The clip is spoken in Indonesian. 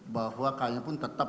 bahwa kaya pun tetap